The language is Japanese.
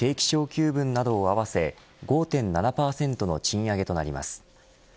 ベアと定期昇給分など合わせ５．７％の賃上げとなります。